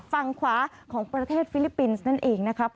ฝั่งขวาของประเทศฟิลิปปินส์นั่นเองนะครับ